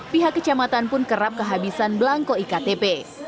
pihak kecamatan pun kerap kehabisan belangko iktp